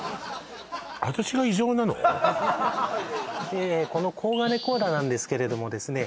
でこの紺金コーラなんですけれどもですね